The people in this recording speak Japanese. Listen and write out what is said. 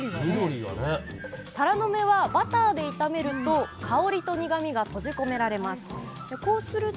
タラの芽はバターで炒めると香りと苦みが閉じ込められます。